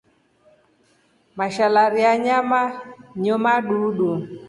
Mashalari ya nyama nyomadoodu.